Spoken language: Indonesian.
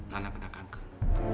nana kena kanker